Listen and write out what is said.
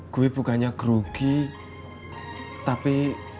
gue bukannya gerugi tapi